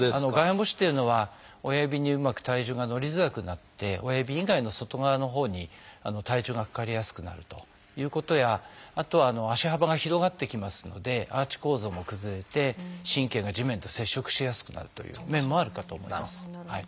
外反母趾っていうのは親指にうまく体重がのりづらくなって親指以外の外側のほうに体重がかかりやすくなるということやあとは足幅が広がってきますのでアーチ構造が崩れて神経が地面と接触しやすくなるという面もあるかと思います。